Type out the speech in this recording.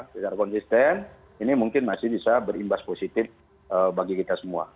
secara konsisten ini mungkin masih bisa berimbas positif bagi kita semua